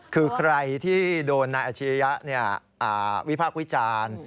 คือใครที่โดนนายอาชิริยะวิพากษ์วิจารณ์